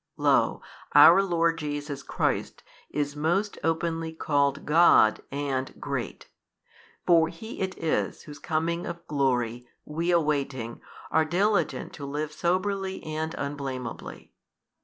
Lo our Lord Jesus Christ is most openly called God and Great: for He it is Whose coming of glory we awaiting, are diligent to live soberly and unblameably.